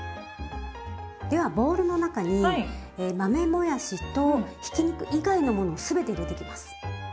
ではボウルの中に豆もやしとひき肉以外のものを全て入れていきます。